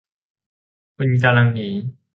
คุณกำลังจะหนี